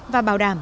và bảo đảm